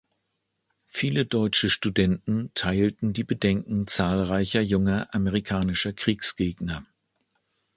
Viele deutsche Studenten teilten die Bedenken zahlreicher junger amerikanischer Kriegsgegner.